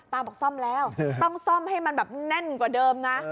บอกซ่อมแล้วต้องซ่อมให้มันแบบแน่นกว่าเดิมนะ